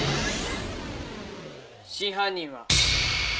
真犯人は。